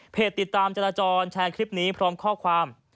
ติดตามจราจรแชร์คลิปนี้พร้อมข้อความ